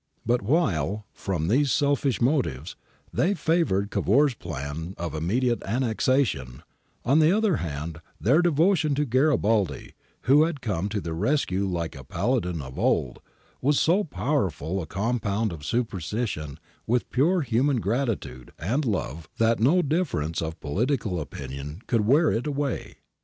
^ But while, from these selfish motives, they favoured Cavour's plan of immediate annexation, on the other hand, their devotion to Garibardi, who had come to their rescue like a Paladin of old, was so powerful a compound of superstition with pure human gratitude and love that no difference of political opinion could wear it away.